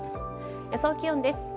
予想気温です。